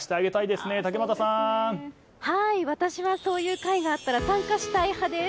私はそういう会があったら参加したい派です。